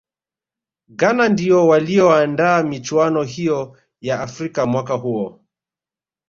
ghana ndiyo waliyoandaa michuano hiyo ya afrika mwaka huo